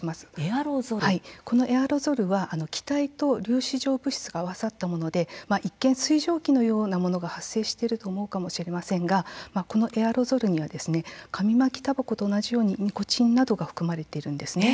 はい、このエアロゾルは気体と粒子状物質が合わさったもので一見、水蒸気のようなものが発生していると思うかもしれませんがこのエアロゾルには紙巻きたばこと同じようにニコチンなどが含まれているんですね。